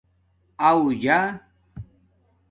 اݸ جݳ